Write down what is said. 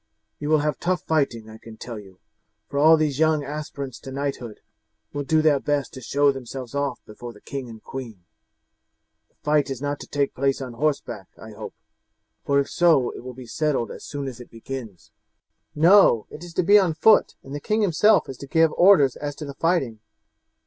You will have tough fighting, I can tell you, for all these young aspirants to knighthood will do their best to show themselves off before the king and queen. The fight is not to take place on horseback, I hope; for if so, it will be settled as soon as it begins." "No, it is to be on foot; and the king himself is to give orders as to the fighting."